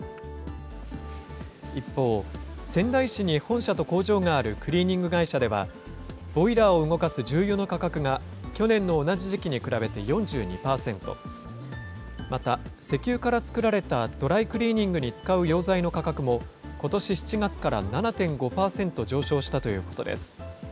一方、仙台市に本社と工場があるクリーニング会社では、ボイラーを動かす重油の価格が、去年の同じ時期に比べて４２％、また、石油から作られたドライクリーニングに使う溶剤の価格もことし７月から７．５％上昇したということです。